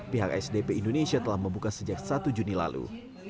pihak sdp indonesia telah membuka sejak satu juni lalu